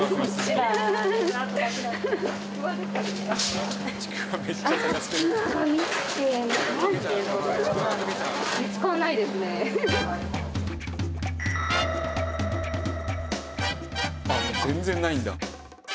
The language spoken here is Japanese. あっ全然ないんだ。